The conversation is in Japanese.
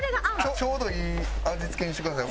ちょうどいい味付けにしてくださいよ。